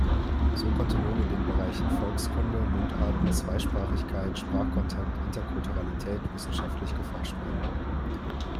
So konnte nun in den Bereichen Volkskunde, Mundarten, Zweisprachigkeit, Sprachkontakt, Interkulturalität wissenschaftlich geforscht werden.